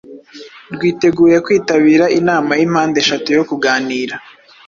rwiteguye kwitabira inama y'impande eshatu yo kuganira